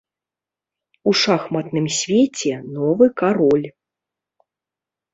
У шахматным свеце новы кароль.